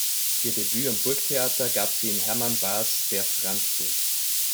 Ihr Debüt am Burgtheater gab sie in Hermann Bahrs "Der Franzl".